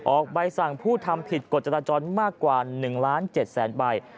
ออกไปสั่งผู้ทำผิดกฎจราจรมากกว่า๑๗๐๐๐๐๐ใบ